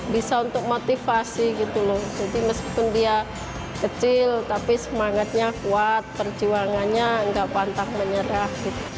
bisa untuk motivasi gitu loh jadi meskipun dia kecil tapi semangatnya kuat perjuangannya nggak pantang menyerah